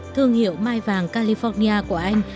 thương hiệu mai vàng california của anh